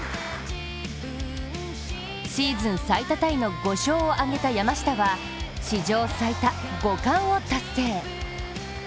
シーズン最多タイの５勝を挙げた山下は史上最多５冠を達成。